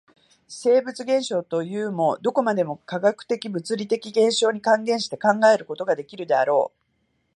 生物現象というも、どこまでも化学的物理的現象に還元して考えることができるであろう。